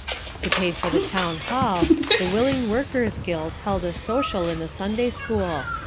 To pay for the town hall, the Willing Workers' Guild held a social in the Sunday school.